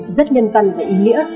rất nhân văn và ý nghĩa